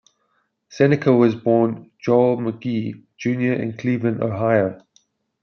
Seneca was born Joel McGhee, Junior in Cleveland, Ohio.